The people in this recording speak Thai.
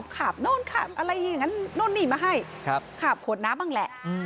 ขาบโน้นขาบอะไรอย่างนั้นนู่นนี่มาให้ขาบขวดน้ำบ้างแหละ